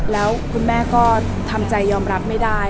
แล้วคุณแม่ก็ทำใจยอมรับไม่ได้